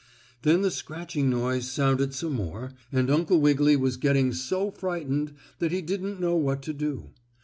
Then the scratching noise sounded some more, and Uncle Wiggily was getting so frightened that he didn't know what to do.